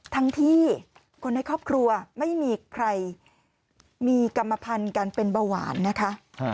ทั้งที่คนในครอบครัวไม่มีใครมีกรรมพันธุ์การเป็นเบาหวานนะคะ